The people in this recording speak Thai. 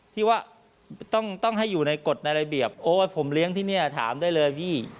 ที่ว่าต้องให้อยู่ในกฎในระเบียบโอ้ยผมเลี้ยงที่นี่ถามได้เลยพี่